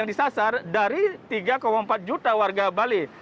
dari tiga empat juta warga bali